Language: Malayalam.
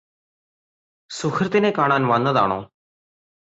സുഹൃത്തിനെ കാണാൻ വന്നതാണോ